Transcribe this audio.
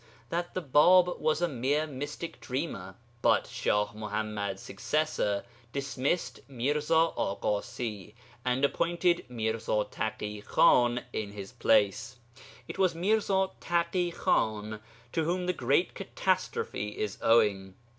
that the Bāb was a mere mystic dreamer), but Shah Muḥammad's successor dismissed Mirza Aḳasi, and appointed Mirza Taḳi Khan in his place. It was Mirza Taḳi Khan to whom the Great Catastrophe is owing.